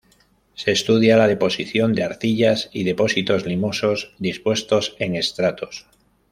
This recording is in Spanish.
Se estudia la deposición de arcillas y depósitos limosos, dispuestos en estratos.